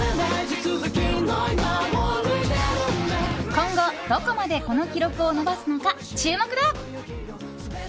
今後どこまでこの記録を伸ばすのか、注目だ。